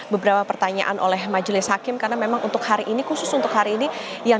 beberapa pertanyaan oleh majelis hakim karena memang untuk hari ini khusus untuk hari ini yang